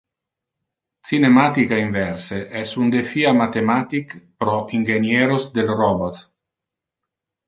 Cinematica inverse es un defia mathematic pro ingenieros del robots.